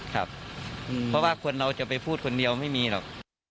เพราะว่าต้องเราจะไปพูดคนเดียวไม่มีหรอก